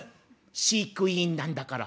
飼育委員なんだから」。